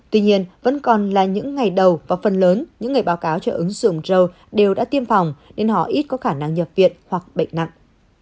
tuy nhiên vẫn còn là những ngày đầu và phần lớn những người báo cáo cho ứng dụng row đều đã tiêm phòng nên họ ít có khả năng nhập viện hoặc bệnh nặng